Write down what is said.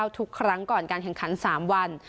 ทุกครั้งก่อนการแข่งขัน๓วัน